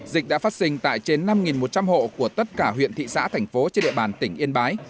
dịch đã phát sinh tại trên năm một trăm linh hộ của tất cả huyện thị xã thành phố trên địa bàn tỉnh yên bái